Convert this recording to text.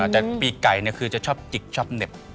แต่ปีไก่คือจะชอบจิกชอบเหน็บ